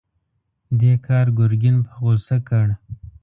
دې کار ګرګين په غوسه کړ.